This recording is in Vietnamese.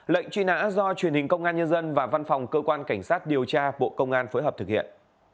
lệnh truy nã do truyền hình công an nhân dân và văn phòng cơ quan cảnh sát điều tra bộ công an phối hợp thực hiện